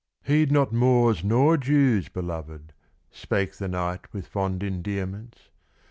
"Heed not Moors nor Jews, belovèd," Spake the knight with fond endearments.